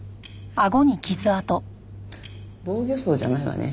防御創じゃないわね。